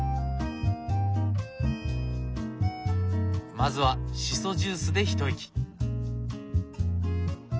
まずはしそジュースで一息。